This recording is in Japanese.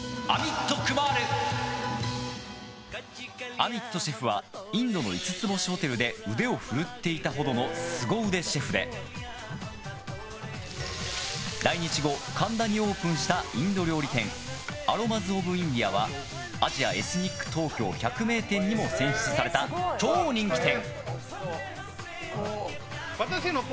アミットシェフはインドの５つ星ホテルで腕を振るっていたほどのスゴ腕シェフで来日後、神田にオープンしたインド料理店アロマズオブインディアはアジア・エスニックＴＯＫＹＯ百名店にも選出された超人気店。